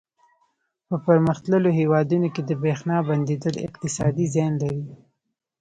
په پرمختللو هېوادونو کې د برېښنا بندېدل اقتصادي زیان لري.